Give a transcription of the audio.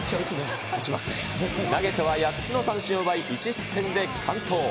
投げては８つの三振を奪い、１失点で完投。